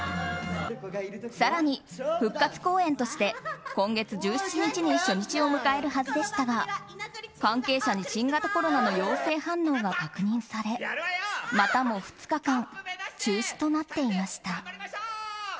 更に、復活公演として今月１７日に初日を迎えるはずでしたが関係者に新型コロナの陽性反応が確認されまたも２日間中止となっていました。